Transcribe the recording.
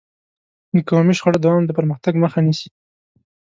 د قومي شخړو دوام د پرمختګ مخه نیسي.